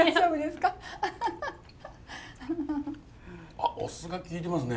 あっお酢が利いてますね。